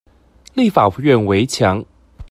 立法院圍牆